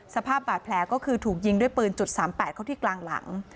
สภาพบาดแผลก็คือถูกยิงด้วยปืน๓๘เข้าที่กลางหลัง